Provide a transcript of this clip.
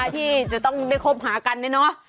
ที่จะต้องไปครบหากัน